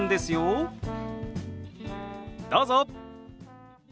どうぞ！